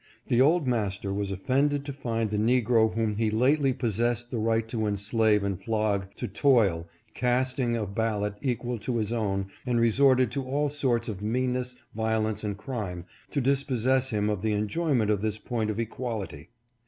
The old master was offended to find the negro whom he lately possessed the right to enslave and flog to toil, casting a ballot equal to his own, and resorted to all sorts of meanness, violence, and crime, to dispossess him of the enjoyment of this point of equality.